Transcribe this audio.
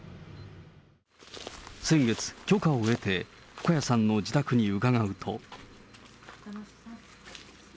先月、許可を得て、深谷さんの自宅に伺うと。